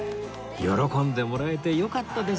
喜んでもらえてよかったですね